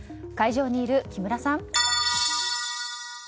会場にいる木村さん。